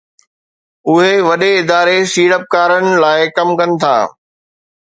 اهي وڏي اداري سيڙپڪارن لاءِ ڪم ڪن ٿا